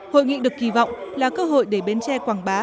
hội nghị được kỳ vọng là cơ hội để bến tre quảng bá